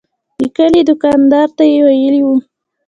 د کلي دوکاندار ته یې ویلي و.